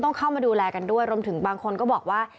เข้ามาดูแลกันด้วยรวมถึงบางคนก็บอกว่า